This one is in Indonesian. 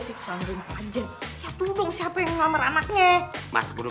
iya di lo abisin ya makan makan